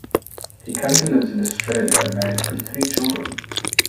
He currently lives in Australia, married with three children.